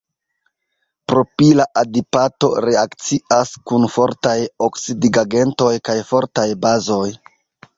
Propila adipato reakcias kun fortaj oksidigagentoj kaj fortaj bazoj.